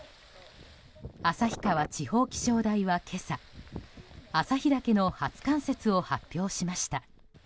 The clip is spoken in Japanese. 旭川地方気象台は今朝旭岳の初冠雪を発表しました。